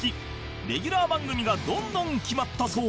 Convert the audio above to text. レギュラー番組がどんどん決まったそう